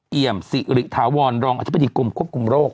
เอี่ยมสิริถาวรรองอธิบดีกรมควบคุมโรค